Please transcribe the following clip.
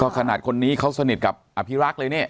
ขนาดคนนี้เขาสนิทกับอภิรักษ์เลยเนี่ย